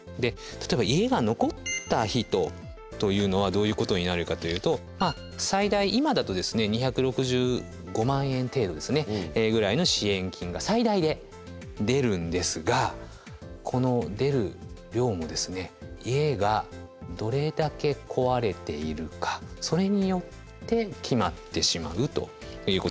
例えば家が残った人というのはどういうことになるかというと最大今だと２６５万円程度ですねぐらいの支援金が最大で出るんですがこの出る量も家がどれだけ壊れているかそれによって決まってしまうということになります。